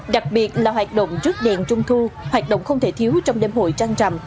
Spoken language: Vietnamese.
đặc biệt là hoạt động trước đèn trung thu hoạt động không thể thiếu trong đêm hội trăng trầm